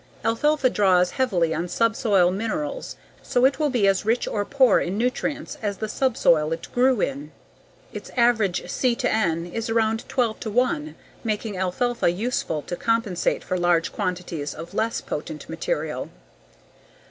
Alfalfa draws heavily on subsoil minerals so it will be as rich or poor in nutrients as the subsoil it grew in. Its average C/N is around 12:1 making alfalfa useful to compensate for larger quantities of less potent material.